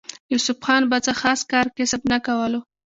يوسف خان به څۀ خاص کار کسب نۀ کولو